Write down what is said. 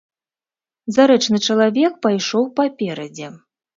Зарэчны чалавек пайшоў паперадзе.